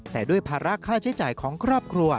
แต่ด้วยภาระค่าใช้จ่ายของครอบครัว